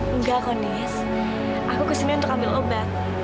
enggak kondisi aku kesini untuk ambil obat